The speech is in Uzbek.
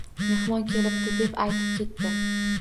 Mehmon kelibdi, deb aytib ketdi